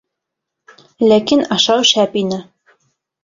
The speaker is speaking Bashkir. Ләкин ашау шәп ине.